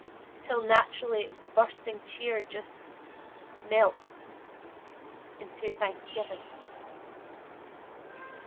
Till naturally its bursting cheer Just melts into thanksgiving.